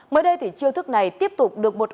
mới đây chiêu thức này tiếp tục được một